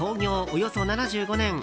およそ７５年